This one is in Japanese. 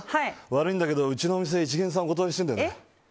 悪いんだけど、うちの店一見さんお断りしてるんだよね。